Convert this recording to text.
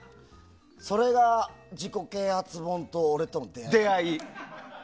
それが自己啓発本と俺との出会い。